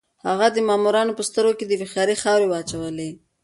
هغه د مامورانو په سترګو کې د هوښيارۍ خاورې واچولې.